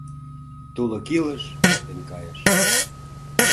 Тулык илыш эртен кайыш